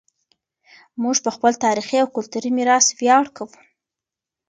موږ په خپل تاریخي او کلتوري میراث ویاړ کوو.